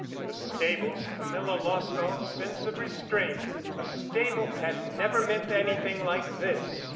In the stables Camilla lost all sense of restraint. A stable had never meant anything like this.